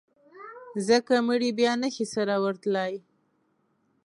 ځکه مړي بیا نه شي سره ورتلای.